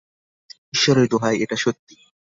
ঈশ্বরের দোহাই, এটা সত্যি।